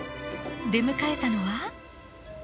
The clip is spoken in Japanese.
出迎えたのは。